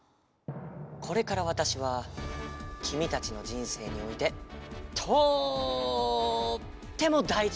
これからわたしはきみたちのじんせいにおいてとってもだいじなしつもんをする。